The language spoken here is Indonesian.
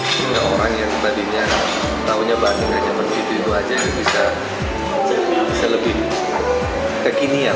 sehingga orang yang tadinya tau bahagiannya menu itu aja bisa lebih kekinian